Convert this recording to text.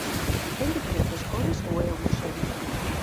Ten diferentes cores ou é homoxéneo?